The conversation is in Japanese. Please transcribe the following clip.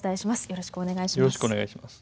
よろしくお願いします。